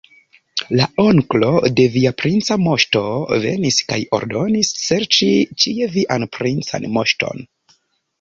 La onklo de via princa moŝto venis kaj ordonis serĉi ĉie vian princan moŝton.